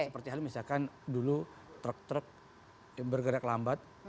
seperti hal misalkan dulu truk truk yang bergerak lambat